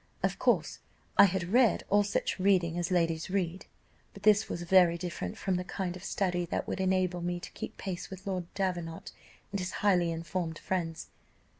Of course I had read all such reading as ladies read, but this was very different from the kind of study that would enable me to keep pace with Lord Davenant and his highly informed friends.